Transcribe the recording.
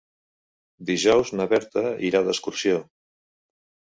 Dijous na Berta irà d'excursió.